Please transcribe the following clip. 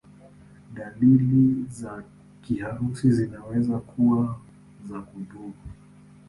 Dalili za kiharusi zinaweza kuwa za kudumu.